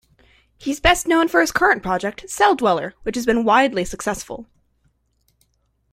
He is best known for his current project, Celldweller, which has been widely successful.